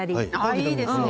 あっいいですね。